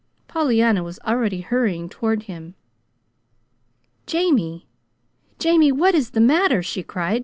Pollyanna was already hurrying toward him. "Jamie, Jamie, what is the matter?" she cried.